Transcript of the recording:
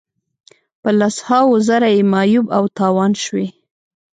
په لس هاوو زره یې معیوب او تاوان شوي.